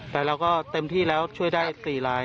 แต่เราก็เต็มที่แล้วช่วยได้๔ลาย